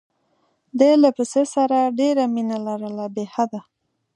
ده له پسه سره ډېره مینه لرله بې حده.